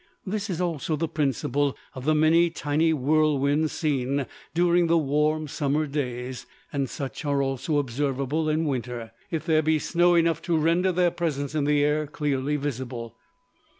This is also the principle of the many tiny whirlwinds seen during the warm summer days: and such are also observable in winter, if there be snow enough to render their presence in the air clearly visible.